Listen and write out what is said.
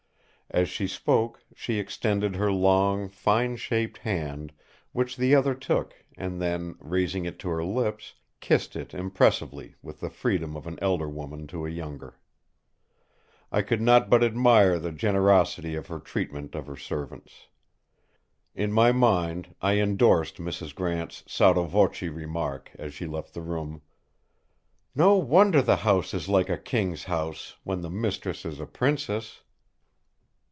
As she spoke she extended her long, fine shaped hand, which the other took and then, raising it to her lips, kissed it impressively with the freedom of an elder woman to a younger. I could not but admire the generosity of her treatment of her servants. In my mind I endorsed Mrs. Grant's sotto voce remark as she left the room: "No wonder the house is like a King's house, when the mistress is a Princess!"